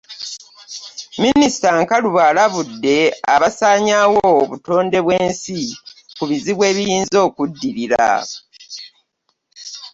Minisita Nkalubo alabudde abasanyaawo obutonde bw'ensi ku bizibu ebiyinza okuddirira